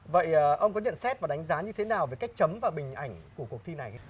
vậy ông có nhận xét và đánh giá như thế nào về cách chấm và bình ảnh của cuộc thi này